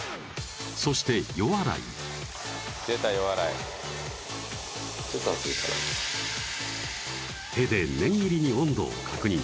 そして予洗い出た予洗い手で念入りに温度を確認